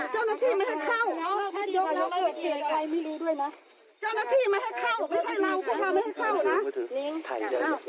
ขนาดพวกเราอยู่ก็ข้ามไม่ให้พวกเราเข้าเลย